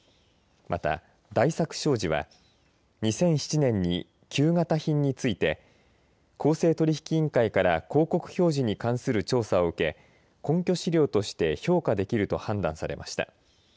また大作商事は２００７年に旧型品について公正取引委員会から広告表示に関する調査を受け根拠資料として評価できると判断されました。